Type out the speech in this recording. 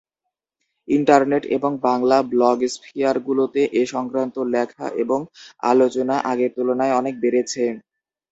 Internet এবং বাংলা ব্লগস্ফিয়ারগুলোতে এ সংক্রান্ত লেখা এবং আলোচনা আগের তুলনায় অনেক বেড়েছে।